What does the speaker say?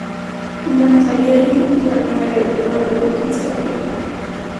Antonio Salieri fue el primer director del conservatorio.